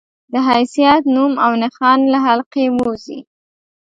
د حيثيت، نوم او نښان له حلقې ووځي